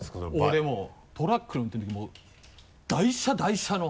俺もうトラックの運転で台車台車の。